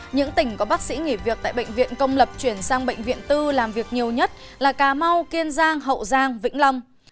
những tỉnh có bác sĩ nghỉ việc tại bệnh viện công lập chuyển sang bệnh viện tư làm việc nhiều nhất là cà mau kiên giang hậu giang vĩnh long